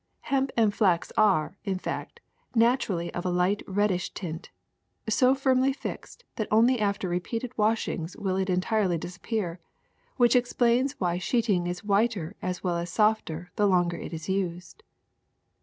Hemp and flax are, in fact, naturally of a light red dish tint, so firmly fixed that only after repeated washings will it entirely disappear; which explains why sheeting is whiter as well as softer the longer it is used.